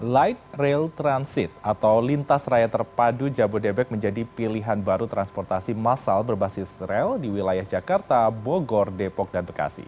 light rail transit atau lintas raya terpadu jabodebek menjadi pilihan baru transportasi masal berbasis rel di wilayah jakarta bogor depok dan bekasi